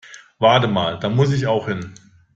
Wartet mal, da muss ich auch hin.